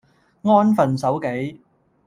安分守己